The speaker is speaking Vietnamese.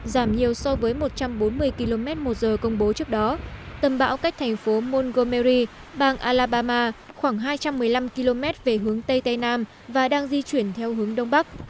giảm nhiều so với một trăm bốn mươi km một giờ công bố trước đó tầm bão cách thành phố monomeri bang alabama khoảng hai trăm một mươi năm km về hướng tây tây nam và đang di chuyển theo hướng đông bắc